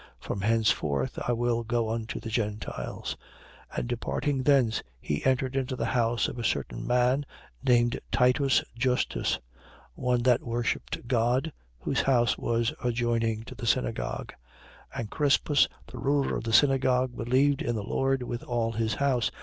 From henceforth I will go unto the Gentiles. 18:7. And departing thence, he entered into the house of a certain man, named Titus Justus, one that worshipped God, whose house was adjoining to the synagogue. 18:8. And Crispus, the ruler of the synagogue, believed in the Lord, with all his house.